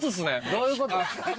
どういうこと？